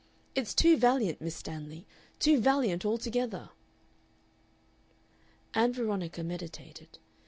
It's too valiant, Miss Stanley, too valiant altogether!" Ann Veronica meditated.